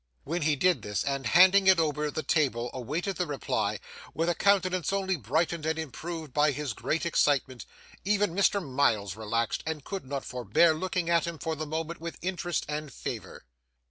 '—when he did this, and handing it over the table awaited the reply, with a countenance only brightened and improved by his great excitement, even Mr. Miles relaxed, and could not forbear looking at him for the moment with interest and favour.